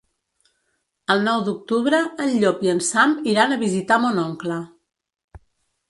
El nou d'octubre en Llop i en Sam iran a visitar mon oncle.